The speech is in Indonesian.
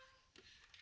terima kasih tuhan